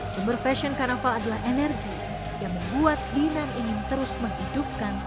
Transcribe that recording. jember fashion carnaval adalah energi yang membuat dinan ingin terus menghidupkan